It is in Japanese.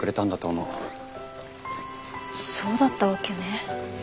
そうだったわけね。